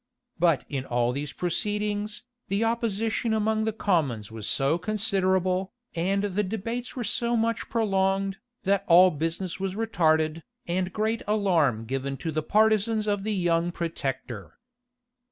But in all these proceedings, the opposition among the commons was so considerable, and the debates were so much prolonged, that all business was retarded, and great alarm given to the partisans of the young protector.